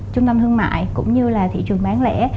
trung tâm thương mại cũng như là thị trường bán lẻ